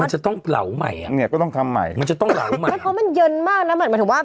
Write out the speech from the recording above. มันจะต้องเผาใหม่อ่ะเนี้ยก็ต้องทำใหม่มันจะต้องเหลาใหม่ไม่เพราะมันเย็นมากนะหมายถึงว่า